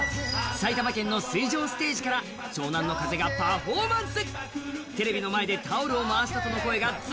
埼玉県の水上ステージから湘南乃風がパフォーマンス。